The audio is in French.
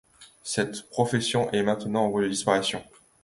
Cette profession est maintenant en voie de disparition.